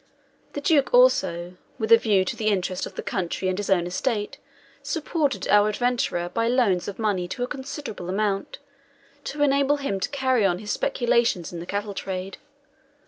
The Duke also, with a view to the interest of the country and his own estate, supported our adventurer by loans of money to a considerable amount, to enable him to carry on his speculations in the cattle trade.